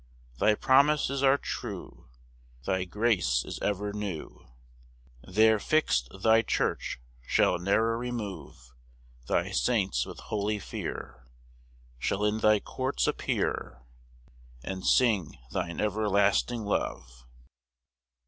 5 Thy promises are true, Thy grace is ever new; There fix'd thy church shall ne'er remove: Thy saints with holy fear Shall in thy courts appear, And sing thine everlasting love.